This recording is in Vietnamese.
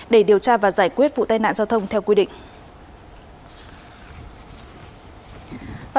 để điều tra và giải quyết vụ tai nạn giao thông theo quy định